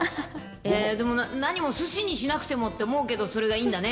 でも何もすしにしなくてもって思うけど、それがいいんだね。